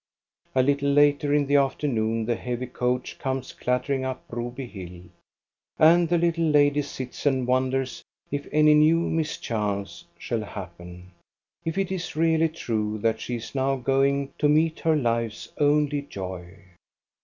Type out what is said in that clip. A little later in the afternoon the heavy coach comes clattering up Broby hill. And the little lady THE BROBY CLERGYMAN 319 ^its and wonders if any new mischance shall happen, if it is really true that she is now going to meet her life's only Joy.